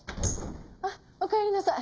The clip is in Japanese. あっおかえりなさい。